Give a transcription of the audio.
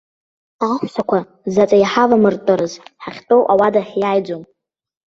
Аҳәсақәа заҵа иҳавамтәарыз, ҳахьтәоу ауадахь иааиӡом.